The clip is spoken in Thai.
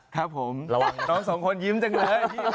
ครับผมเราสองคนยิ้มจังเลย